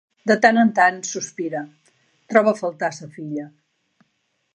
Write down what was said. De tant en tant sospira: troba a faltar sa filla.